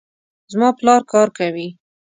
زما پلار کار کوي